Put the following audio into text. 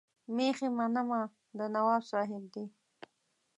مېښې منمه د نواب صاحب دي.